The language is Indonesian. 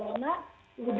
lebih dari satu juta lebih